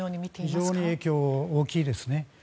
非常に影響大きいです。